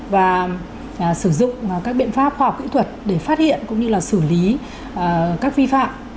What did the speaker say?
và sử dụng các biện pháp khoa học kỹ thuật để phát hiện cũng như là xử lý các vi phạm